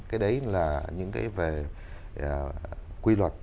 cái đấy là những cái về quy luật